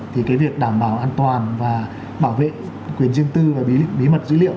thì cái việc đảm bảo an toàn và bảo vệ quyền riêng tư và bí mật dữ liệu